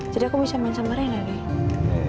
jadi aku bisa main sama rina deh